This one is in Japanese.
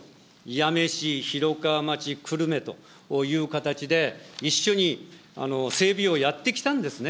八女市、広川町、久留米という形で、一緒に整備をやってきたんですね。